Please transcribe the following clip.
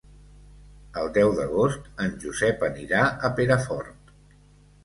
El deu d'agost en Josep anirà a Perafort.